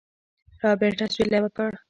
رابرټ اسويلى وکړ.